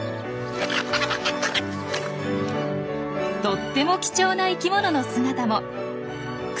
とっても貴重な生きものの姿も。